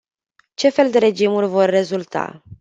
Ce fel de regimuri vor rezulta?